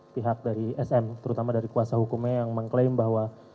pihak dari sm terutama dari kuasa hukumnya yang mengklaim bahwa